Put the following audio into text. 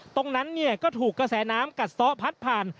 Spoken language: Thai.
ตรงนั้นก็ถูกกระแสน้ำกัดซ้อพัดผ่าน